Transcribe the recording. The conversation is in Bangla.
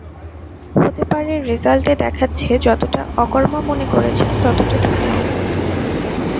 হতে পারে রেজাল্টে দেখাচ্ছে যতটা অকর্মা মনে করেছি ততটা তুমি নও।